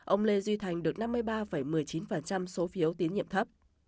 ông lê duy thành được năm mươi ba một mươi chín số phiếu tín nhiệm thấp